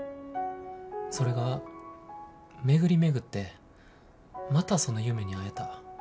それが巡り巡ってまたその夢に会えた。